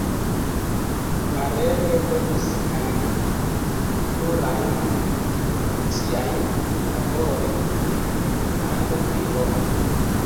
La reĝo donis al li plurajn diplomatiajn laborojn en Nederlando kaj Romo.